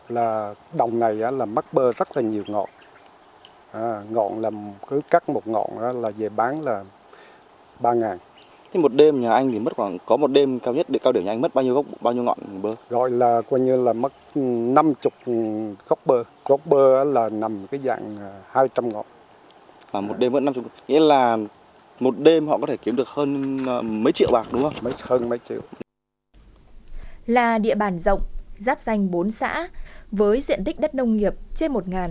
là địa bàn rộng giáp danh bốn xã với diện tích đất nông nghiệp trên một chín trăm linh hectare